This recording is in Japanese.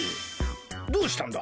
どうしたんだ？